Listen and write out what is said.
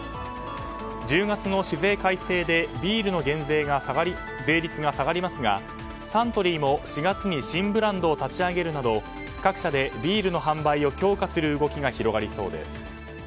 １０月の酒税改正でビールの税率が下がりますがサントリーも４月に新ブランドを立ち上げるなど各社でビールの販売を強化する動きが広がりそうです。